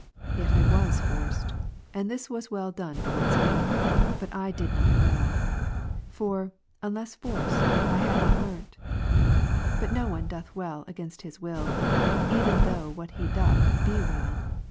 Yet I was forced ; and this was well done towards me, ,, but I did not well ; for, unless forced, I had not learnt. But no one doth well against his will, even though what he doth, be well.